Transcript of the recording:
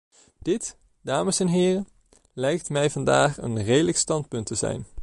Dit, dames en heren, lijkt mij vandaag een redelijk standpunt te zijn.